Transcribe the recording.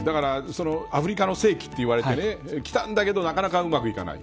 アフリカの世紀と言われてきたんだけれどなかなかうまくいかない。